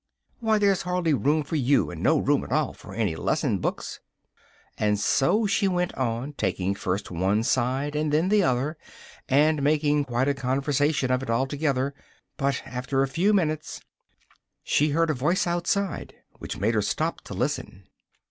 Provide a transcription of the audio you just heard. Why, there's hardly room for you, and no room at all for any lesson books!" And so she went on, taking first one side, and then the other, and making quite a conversation of it altogether, but after a few minutes she heard a voice outside, which made her stop to listen.